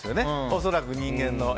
恐らく、人間の。